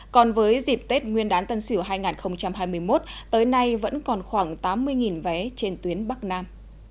còn với dịp tết nguyên đán tân sửu hai nghìn hai mươi một tới nay vẫn còn khoảng tám mươi vé trên tuyến bắc nam